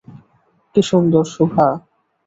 কী সুন্দর শোভা।